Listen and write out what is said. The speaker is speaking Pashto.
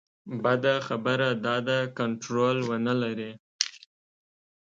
بده خبره دا ده کنټرول ونه لري.